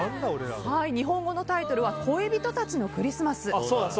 日本語のタイトルは「恋人たちのクリスマス」。